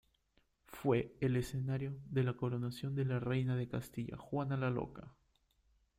Fue el escenario de la coronación de la reina de Castilla Juana la Loca.